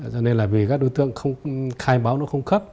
cho nên là vì các đối tượng không khai báo nó không cấp